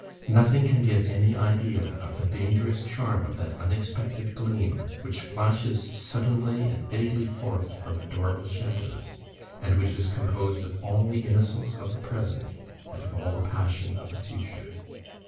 Nothing can give any idea of the dangerous charm of that unexpected gleam, which flashes suddenly and vaguely forth from adorable shadows, and which is composed of all the innocence of the present, and of all the passion of the future.